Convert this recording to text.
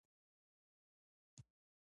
یوازې یو احمق پروګرامر داسې بم جوړولی شي